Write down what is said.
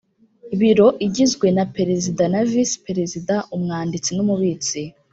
Biro igizwe na Perezida na Visi Perezida Umwanditsi n’umubitsi